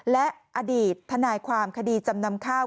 และอดีตทนายความคดีจำนำข้าว